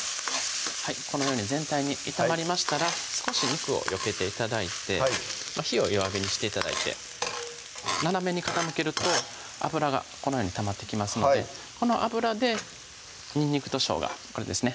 このように全体に炒まりましたら少し肉をよけて頂いて火を弱火にして頂いて斜めに傾けると油がこのようにたまってきますのでこの油でにんにくとしょうがこれですね